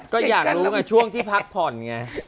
ก็อยากรู้ไงช่วงที่พักผ่อนไง